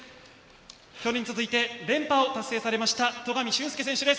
去年に続いて連覇を達成されました戸上隼輔選手です。